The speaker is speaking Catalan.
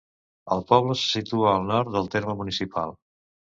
El poble se situa al nord del terme municipal.